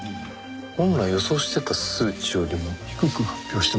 本来予想してた数値よりも低く発表してますね。